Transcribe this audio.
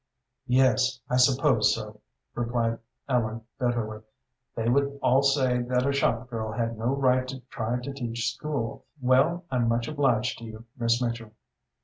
"Yes, I supposed so," replied Ellen, bitterly. "They would all say that a shop girl had no right to try to teach school. Well, I'm much obliged to you, Miss Mitchell."